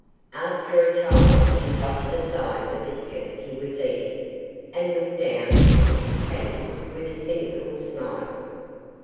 After a time he tossed aside the biscuit he was eating, and looked down at his companion with a cynical smile.